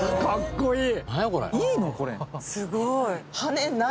かっこいい！